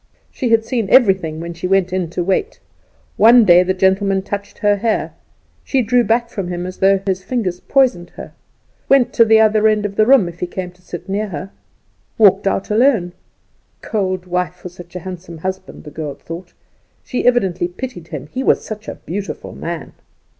She had seen everything when she went in to wait. One day the gentleman touched her hair; she drew back from him as though his fingers poisoned her. Went to the other end of the room if he came to sit near her. Walked out alone. Cold wife for such a handsome husband, the girl thought; she evidently pitied him, he was such a beautiful man.